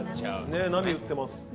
ね波打ってます。